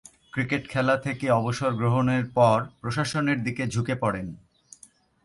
Cricket খেলা থেকে অবসর গ্রহণের পর প্রশাসনের দিকে ঝুঁকে পড়েন।